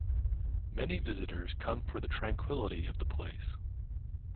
Many visitors come there for the tranquility of the place.